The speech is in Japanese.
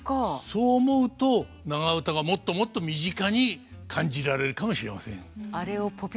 そう思うと長唄がもっともっと身近に感じられるかもしれません。